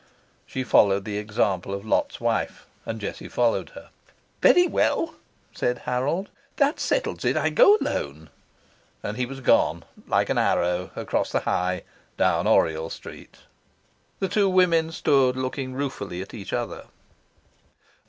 She followed the example of Lot's wife; and Jessie followed hers. "Very well," said Harold. "That settles it. I go alone." And he was gone like an arrow, across the High, down Oriel Street. The two women stood staring ruefully at each other.